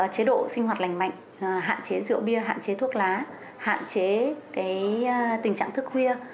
chế độ sinh hoạt lành mạnh hạn chế rượu bia hạn chế thuốc lá hạn chế tình trạng thức khuya